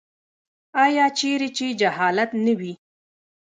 آیا چیرې چې جهالت نه وي؟